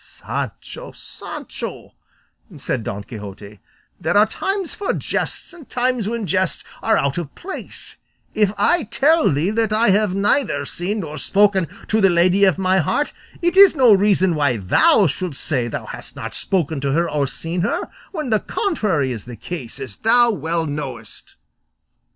"Sancho, Sancho," said Don Quixote, "there are times for jests and times when jests are out of place; if I tell thee that I have neither seen nor spoken to the lady of my heart, it is no reason why thou shouldst say thou hast not spoken to her or seen her, when the contrary is the case, as thou well knowest."